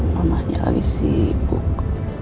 mamanya lagi sibuk